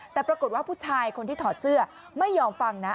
แต่ปรากฏว่าผู้ชายคนที่ถอดเสื้อไม่ยอมฟังนะ